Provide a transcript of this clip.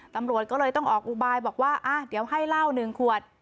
ตำรวจก็เลยต้องออกอุบายบอกว่าเดี๋ยวให้เหล้า๑ขวด